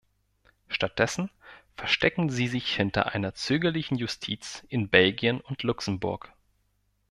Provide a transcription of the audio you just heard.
Stattdessen verstecken Sie sich hinter einer zögerlichen Justiz in Belgien und Luxemburg.